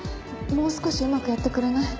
もう少しうまくやってくれない？